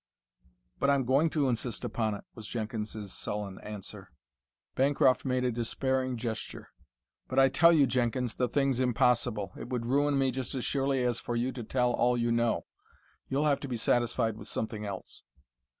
"But I'm going to insist upon it," was Jenkins's sullen answer. Bancroft made a despairing gesture. "But I tell you, Jenkins, the thing's impossible! It would ruin me just as surely as for you to tell all you know. You'll have to be satisfied with something else."